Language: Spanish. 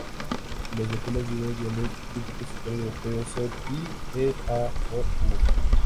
Las vocales de un dialecto típico central europeo son "i, e, a, o, u".